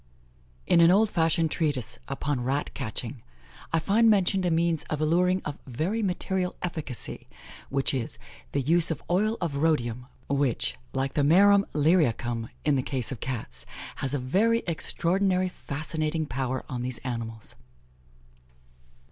In an old fashioned treatise upon Rat catching, I find mentioned a means of alluring "of very material efficacy, which is, the use of oil of Rhodium, which, like the marumlyriacum, in the case of Cats, has a very extraordinary fascinating power on these animals."